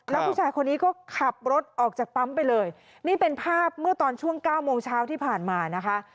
แล้วผู้ชายคนนี้ก็ขับรถออกจากปั๊มไปเลยนี่เป็นภาพเมื่อตอนช่วงเก้าโมงเช้าที่ผ่านมานะคะ